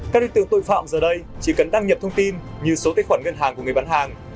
các đối tượng tội phạm giờ đây chỉ cần đăng nhập thông tin như số tài khoản ngân hàng của người bán hàng